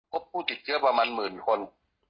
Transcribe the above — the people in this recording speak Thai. พบผู้ติดเชื้อประมาณหมื่นคน